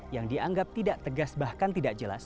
yang dianggap tidak tegas bahkan tidak jelas